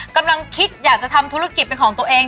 กำลังคิดอยากจะทำธุรกิจเป็นของตัวเอง